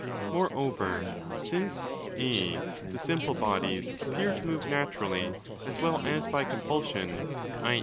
Moreover, since (a) the 'simple' bodies appear to move 'naturally' as well as by compulsion, i.